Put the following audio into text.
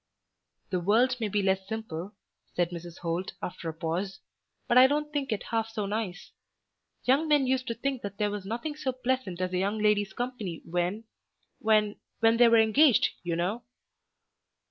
"The world may be less simple," said Mrs. Holt after a pause, "but I don't think it half so nice. Young men used to think that there was nothing so pleasant as a young lady's company when, when, when they were engaged, you know."